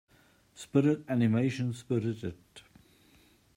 Spirit animation Spirited.